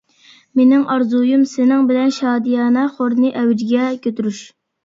مېنىڭ ئارزۇيۇم سېنىڭ بىلەن شادىيانە خورنى ئەۋجىگە كۆتۈرۈش.